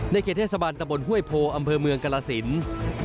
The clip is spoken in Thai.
ในเกษตรสบานตะบลห้วยโพอำเภอเมืองกาลาศิลป์